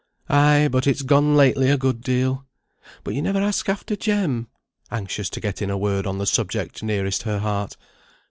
"Ay, but it's gone lately a good deal. But you never ask after Jem " anxious to get in a word on the subject nearest her heart.